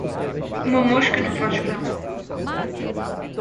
Uma mosca não faz verão.